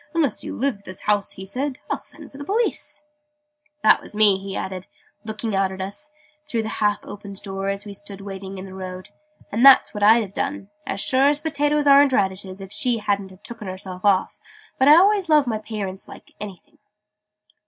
'Unless you leave this house,' he said, 'I'll send for the Police!' {Image...'He thought he saw a buffalo'} "That was me!" he added, looking out at us, through the half opened door, as we stood waiting in the road.' "And that's what I'd have done as sure as potatoes aren't radishes if she hadn't have tooken herself off! But I always loves my pay rints like anything."